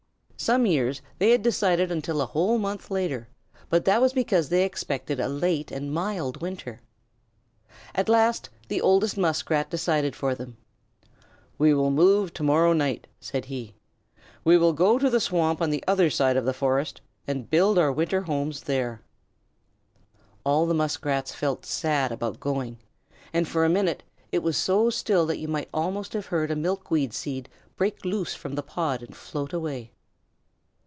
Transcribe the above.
Some years they had waited until a whole month later, but that was because they expected a late and mild winter. At last the oldest Muskrat decided for them. "We will move to morrow night," said he. "We will go to the swamp on the other side of the forest and build our winter homes there." All the Muskrats felt sad about going, and for a minute it was so still that you might almost have heard a milkweed seed break loose from the pod and float away.